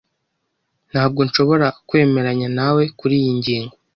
Ntabwo nshobora kwemeranya nawe kuriyi ngingo.